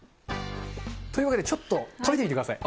というわけで、ちょっと食べてみてください。